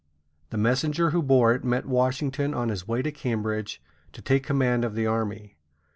The messenger who bore it met Washington on his way to Cambridge to take command of the army.